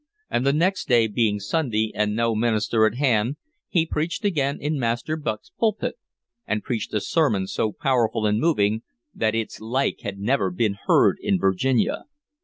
And the next day being Sunday, and no minister at hand, he preached again in Master Bucke's pulpit, and preached a sermon so powerful and moving that its like had never been heard in Virginia.